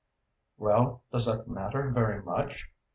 "Well, does that matter very much?"